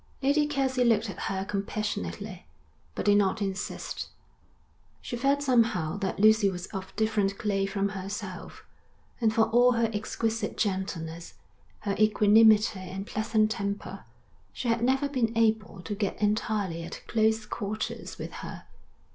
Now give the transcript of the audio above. Lady Kelsey looked at her compassionately, but did not insist. She felt somehow that Lucy was of different clay from herself, and for all her exquisite gentleness, her equanimity and pleasant temper, she had never been able to get entirely at close quarters with her.